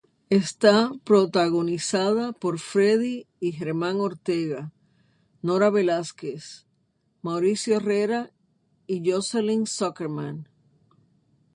Está protagonizada por Freddy y Germán Ortega, Nora Velázquez, Mauricio Herrera y Jocelyn Zuckerman.